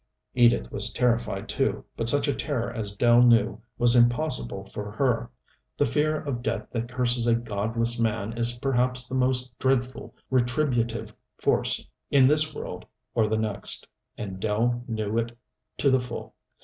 Edith was terrified too, but such a terror as Dell knew was impossible for her. The fear of death that curses a godless man is perhaps the most dreadful retributive force in this world or the next, and Dell knew it to the full.